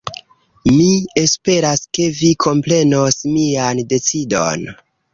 Mi esperas ke vi komprenos mian decidon.